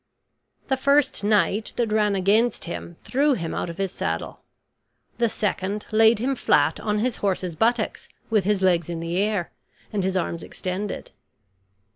The first knight that ran against him threw him out of his saddle; the second laid him flat on his horse's buttocks, with his legs in the air, and his arms extended.